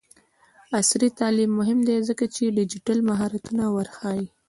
عصري تعلیم مهم دی ځکه چې ډیجیټل مهارتونه ورښيي.